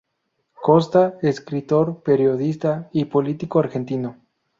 Costa, escritor, periodista y político argentino.